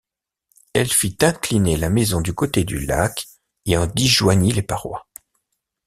Elle fit incliner la maison du côté du lac et en disjoignit les parois.